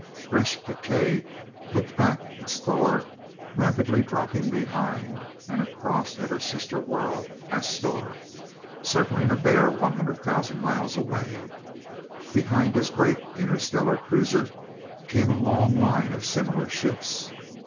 Gresth Gkae looked back at Sthor rapidly dropping behind, and across at her sister world, Asthor, circling a bare 100,000 miles away. Behind his great interstellar cruiser came a long line of similar ships.